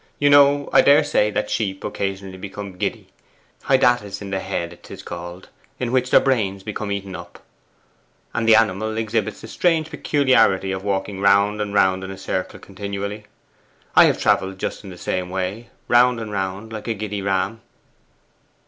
'You know, I daresay, that sheep occasionally become giddy hydatids in the head, 'tis called, in which their brains become eaten up, and the animal exhibits the strange peculiarity of walking round and round in a circle continually. I have travelled just in the same way round and round like a giddy ram.